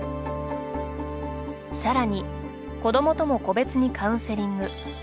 さらに、子どもとも個別にカウンセリング。